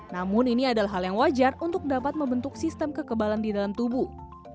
namun ini adalah hal yang wajar untuk dapat membentuk sistem kekebalan di dalam tubuh